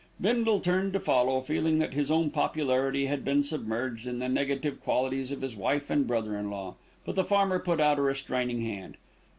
Bindle turned to follow, feeling that his own popularity had been submerged in the negative qualities of his wife and brother in law; but the farmer put out a restraining hand.